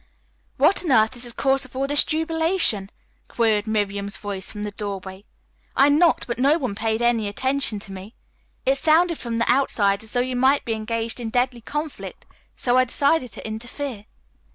"What on earth is the cause of all this jubilation?" queried Miriam's voice from the doorway. "I knocked, but no one paid any attention to me. It sounded from the outside as though you might be engaged in deadly conflict, so I decided to interfere."